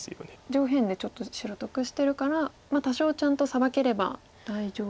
上辺でちょっと白得してるから多少ちゃんとサバければ大丈夫。